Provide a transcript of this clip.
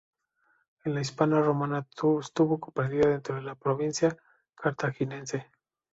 En la Hispania romana estuvo comprendida dentro de la provincia Carthaginense.